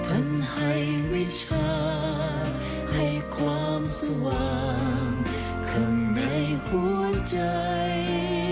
ท่านให้วิชาให้ความสว่างขึ้นในหัวใจ